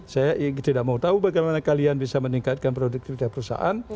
saya tidak mau tahu bagaimana kalian bisa meningkatkan produktivitas perusahaan